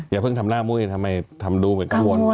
อย่าเพิ่งทำหน้ามุ้ยทำไมทำดูเหมือนกังวล